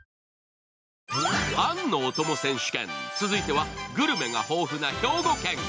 続いてはグルメが豊富な兵庫県。